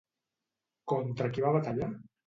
Contra qui va batallar?